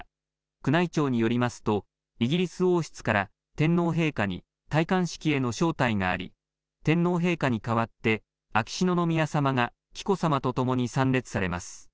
宮内庁によりますとイギリス王室から天皇陛下に戴冠式への招待があり天皇陛下に代わって秋篠宮さまが紀子さまとともに参列されます。